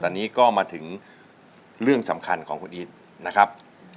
ตอนนี้ก็มาถึงเรื่องสำคัญของคุณอีทนะครับ